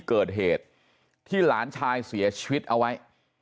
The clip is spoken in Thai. เกิดเหตุที่หลานชายเสียชีวิตเอาไว้